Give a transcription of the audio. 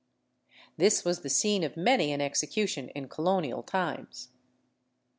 This was the scene of many an execution in colonial times.